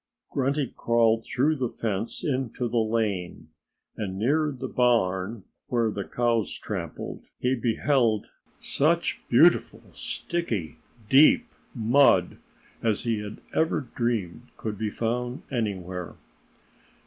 Grunty crawled through the fence into the lane. And near the barn, where the cows had trampled, he beheld such beautiful, sticky, deep mud as he had never dreamed could be found anywhere.